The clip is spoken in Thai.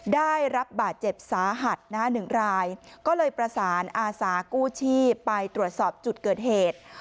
ได้รับบาดเจ็บสาหัสหนึ่งรายก็เลยประสานอาสากู้ชีพไปตรวจสอบจุดเกิดเหตุ